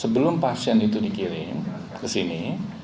sebelum pasien itu dikirim ke sini